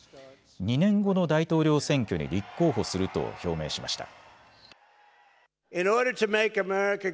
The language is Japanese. ２年後の大統領選挙に立候補すると表明しました。